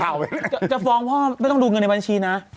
จะฟ้องพ่อไม่ต้องดูเงินในบัญชีนะ